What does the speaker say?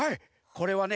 これはね